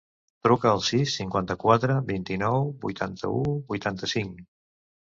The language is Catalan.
Truca al sis, cinquanta-quatre, vint-i-nou, vuitanta-u, vuitanta-cinc.